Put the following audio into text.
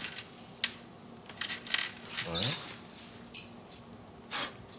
あれ？